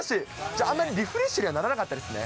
じゃあ、あんまりリフレッシュにはならなかったですね。